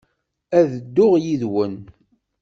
Ad dduɣ yid-wen.